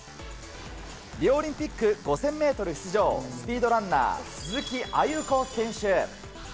リオオリンピック５０００ｍ出場、スピードランナー・鈴木亜由子選手。